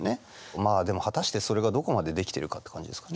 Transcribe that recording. まあでも果たしてそれがどこまでできてるかって感じですかね。